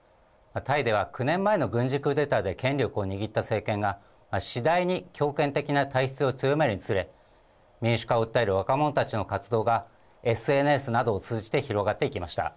タイでは９年前の軍事クーデターで権力を握った政権が、次第に強権的な体質を強めるにつれ、民主化を訴える若者たちの活動が、ＳＮＳなどを通じて広がっていきました。